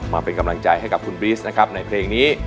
มาเป็นกำลังใจให้ที่คุณบรี๊ย์ซในเพลงนี้